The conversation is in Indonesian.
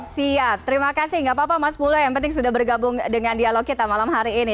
siap terima kasih gak apa apa mas pulo yang penting sudah bergabung dengan dialog kita malam hari ini